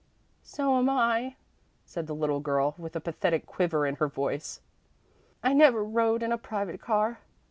"So am I," said the little girl, with a pathetic quiver in her voice. "I never rode in a private car.